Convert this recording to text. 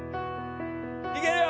・いけるよ！